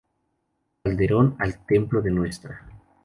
Calderón al Templo de Ntra.